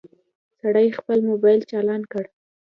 سړي خپل موبايل چالان کړ.